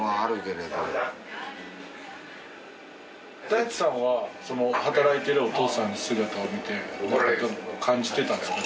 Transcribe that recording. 大地さんは働いてるお父さんの姿を見てどう感じてたんですか？